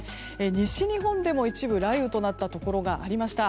西日本でも一部雷雨となったところがありました。